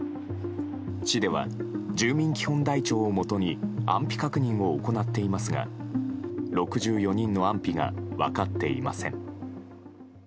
市では、住民基本台帳をもとに安否確認を行っていますが６４人の安否が分かっていません。